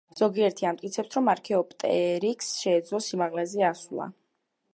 ზოგიერთი ამტკიცებს, რომ არქეოპტერიქსს შეძლო სიმაღლეზე ასვლა.